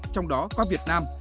trong đó có việt nam